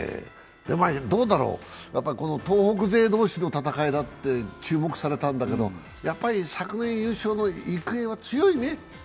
どうだろう、やはり東北勢同士の戦いだって注目されたんだけど、やっぱり昨年優勝の育英は強いね。